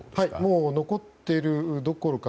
もう残っているどころか